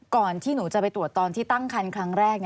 ก่อนที่หนูจะไปตรวจตอนที่ตั้งคันครั้งแรก